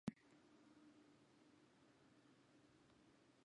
তিনি চিকিৎসা কর্পসে সহকারী সার্জন হিসেবে নিযুক্ত হন।